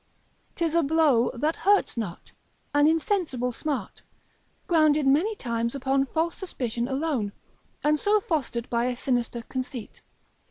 'Tis a blow that hurts not, an insensible smart, grounded many times upon false suspicion alone, and so fostered by a sinister conceit.